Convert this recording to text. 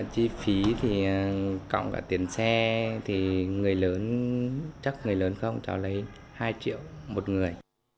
chi phí thì cộng cả tiền xe thì người lớn chắc người lớn không cháu lấy hai triệu một người